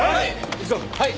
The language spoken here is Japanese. はい！